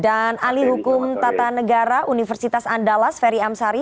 dan alih hukum tata negara universitas andalas ferry amsari